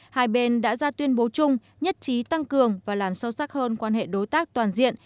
hai bên đã ra tuyên bố chung nhất trí tăng cường và làm sâu sắc hơn quan hệ đối tác toàn diện